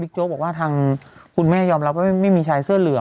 โจ๊กบอกว่าทางคุณแม่ยอมรับว่าไม่มีชายเสื้อเหลือง